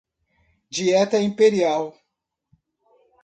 Dieta imperial